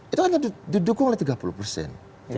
itu hanya didukung oleh tiga puluh persen